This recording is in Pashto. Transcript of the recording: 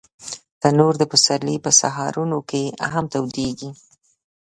تنور د پسرلي په سهارونو کې هم تودېږي